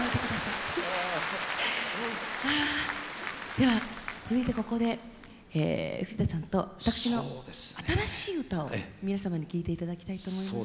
では続いてここで藤田さんと私の新しい歌を皆様に聴いていただきたいと思います。